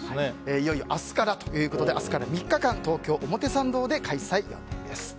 いよいよ明日からということで明日から３日間東京・表参道で公開予定です。